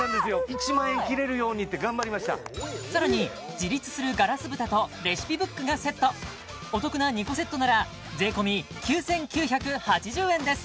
１万円切れるようにって頑張りましたさらに自立するガラス蓋とレシピブックがセットお得な２個セットなら税込９９８０円です